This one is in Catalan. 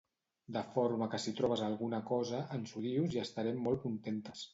De forma que si trobes alguna cosa, ens ho dius i estarem molt contentes.